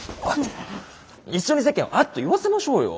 一緒に世間をあっと言わせましょうよ。